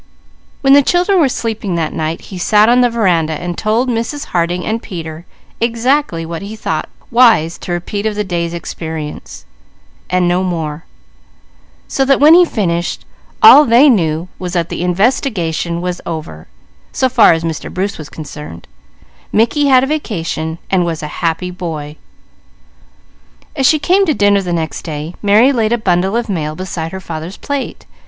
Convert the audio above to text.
When the children were sleeping that night he sat on the veranda and told Mrs. Harding and Peter exactly what he thought wise to repeat of the day's experience and no more; so that when he finished, all they knew was that the investigation was over, so far as Mr. Bruce was concerned, Mickey had a vacation, and was a happy boy. As she came to dinner the next day, Mary laid a bundle of mail beside her father's plate.